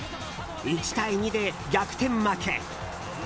１対２で逆転負け。